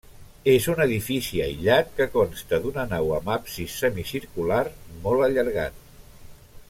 És un edifici aïllat, que consta d'una nau amb absis semicircular molt allargat.